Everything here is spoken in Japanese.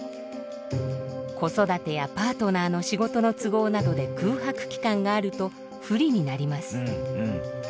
子育てやパートナーの仕事の都合などで空白期間があると不利になります。